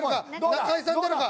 中居さん出るか？